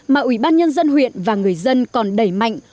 mà ủy ban nhân dân huyện và người dân còn đẩy mạnh